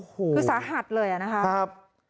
คือสาหัสเลยนะครับ